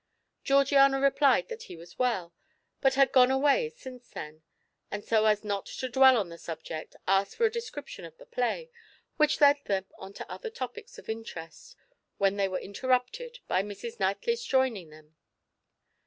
Georgiana replied that he was well, but had gone away since then; and so as not to dwell on the subject, asked for a description of the play, which led them on to other topics of interest, when they were interrupted by Mrs. Knightley's joining them.